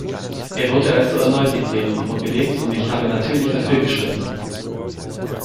Er wurde also erneut dem Plenum vorgelegt, und ich habe natürlich dafür gestimmt!